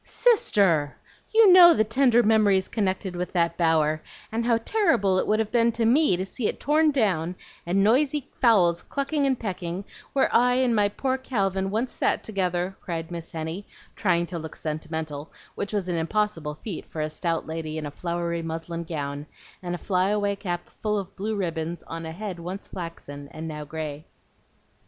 "Sister! you know the tender memories connected with that bower, and how terrible it would have been to ME to see it torn down, and noisy fowls clucking and pecking where I and my poor Calvin once sat together," cried Miss Henny, trying to look sentimental, which was an impossible feat for a stout lady in a flowery muslin gown, and a fly away cap full of blue ribbons, on a head once flaxen and now gray.